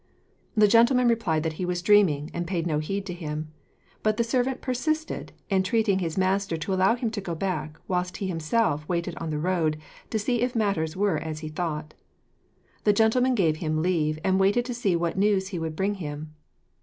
The gentleman replied that he was dreaming, and paid no heed to him; but the servant persisted, entreating his master to allow him to go back, whilst he himself waited on the road, to see if matters were as he thought. The gentleman gave him leave, and waited to see what news he would bring him.